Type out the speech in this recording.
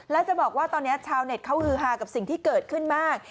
และจะบอกว่าตอนนี้ชาวเน็ตเขาฮือฮากับสิ่งที่เกิดขึ้นมาก